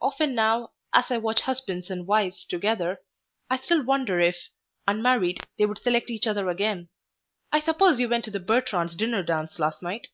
Often now, as I watch husbands and wives together, I still wonder if, unmarried, they would select each other again. I suppose you went to the Bertrands' dinner dance last night?"